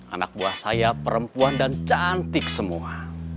anak buah saya perempuan dan cantik semua